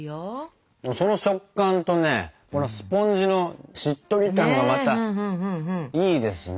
その食感とねこのスポンジのしっとり感がまたいいですね。